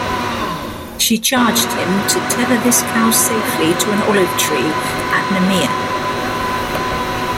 She charged him to "Tether this cow safely to an olive-tree at Nemea".